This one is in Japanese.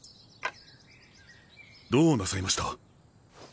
どうなさいました？